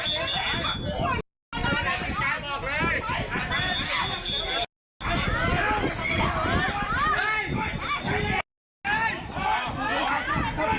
อย่าให้มีใครมีใครมีใคร